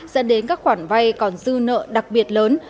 dẫn đến các khoản vay còn dư nợ đặc biệt lớn